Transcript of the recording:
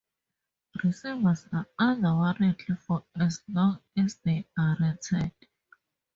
Receivers are under warranty for as long as they are rented.